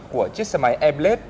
của chiếc xe máy e blade